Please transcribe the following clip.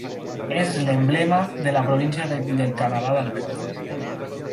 És l'emblema de la província del Canadà d'Alberta.